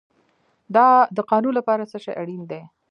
د قانون لپاره څه شی اړین دی؟